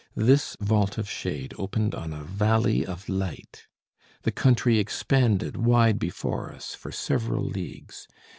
This vault of shade opened on a valley of light. The country expanded wide before us, for several leagues.